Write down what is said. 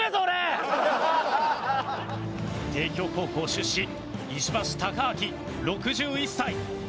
帝京高校出身石橋貴明６１歳。